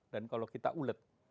dan kalau kita ulet